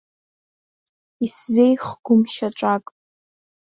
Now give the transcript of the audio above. Исзеихгом шьаҿак.